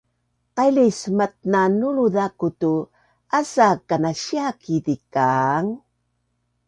Qailis matnanulu zaku tu asa kanasia ki zikaang